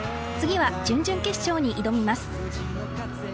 次は準々決勝に挑みます。